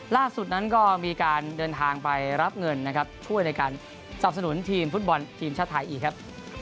ล่าสุดนั้นก็มีการเดินทางไปรับเงินนะครับช่วยในการสับสนุนทีมฟุตบอลทีมชาติไทยอีกครับ